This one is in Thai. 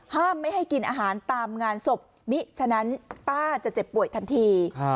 ไม่ให้กินอาหารตามงานศพมิฉะนั้นป้าจะเจ็บป่วยทันที